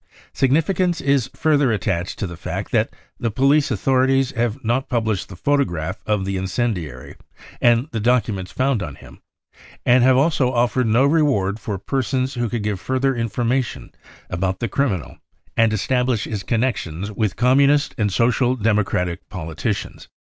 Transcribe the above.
Significance is further attached to the fact that the police authorities have not published the photograph of the incendiary and the documents found on him, and have also offered no reward for persons who could give further informa j tion about the criminal and establish his connections wijh Communist and Social Democratic politicians.